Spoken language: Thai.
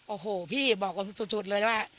โอ้โหพี่บอกสุดเลยว่า